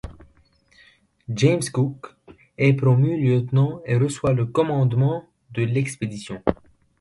James Cook est promu lieutenant et reçoit le commandement de l'expédition.